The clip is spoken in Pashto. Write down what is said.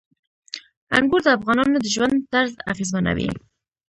انګور د افغانانو د ژوند طرز اغېزمنوي.